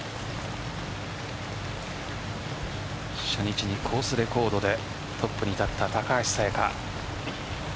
初日にコースレコードでトップに立った高橋彩華。